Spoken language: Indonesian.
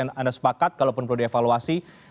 anda sepakat kalau perlu dievaluasi